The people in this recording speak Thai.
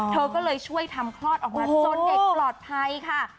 เธอก็เลยช่วยทำคลอดออกมาจนเด็กปลอดภัยค่ะ